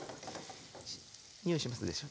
匂いしますでしょ？